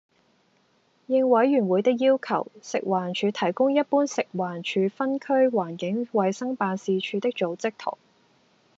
應委員會的要求，食環署提供一般食環署分區環境衞生辦事處的組織圖